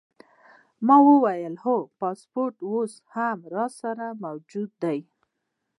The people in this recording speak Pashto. ما وویل: هو، پاسپورټ اوس هم راسره موجود دی.